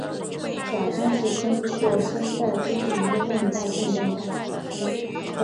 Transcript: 假声是通过声带边缘的韧带振动产生。